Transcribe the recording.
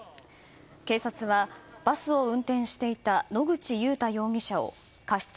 警察はバスを運転していた野口祐太容疑者を過失